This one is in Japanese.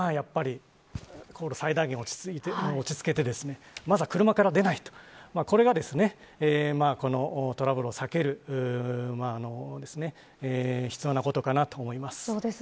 最大限、落ち着けてまずは車から出ないとこれがトラブルを避けるのに必要なことかなと思います。